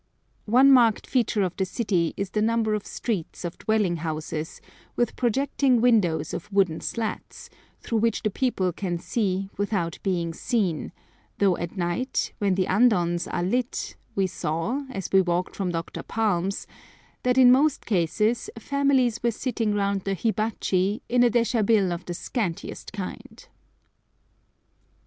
One marked feature of the city is the number of streets of dwelling houses with projecting windows of wooden slats, through which the people can see without being seen, though at night, when the andons are lit, we saw, as we walked from Dr. Palm's, that in most cases families were sitting round the hibachi in a déshabillé of the scantiest kind.